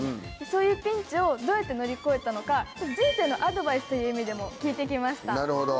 そういうピンチをどうやって乗り越えたのか人生のアドバイスという意味でも聞いて来ました。